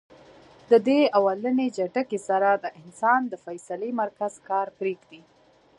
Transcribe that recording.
د دې اولنۍ جټکې سره د انسان د فېصلې مرکز کار پرېږدي -